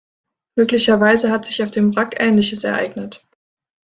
Möglicherweise hat sich auf dem Wrack Ähnliches ereignet.